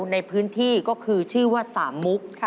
ในพื้นที่ก็คือชื่อว่าสามมุก